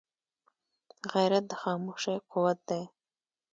غیرت د خاموشۍ قوت دی